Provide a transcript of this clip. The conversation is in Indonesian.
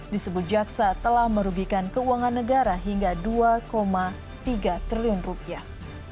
disebut jaksa telah merugikan keuangan negara hingga dua tiga triliun rupiah